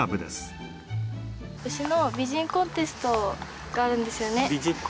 牛の美人コンテストがあるんですよね。